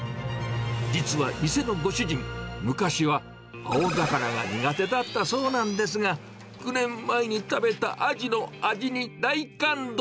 実は店のご主人、昔は青魚が苦手だったそうなんですが、９年前に食べたアジの味に大感動。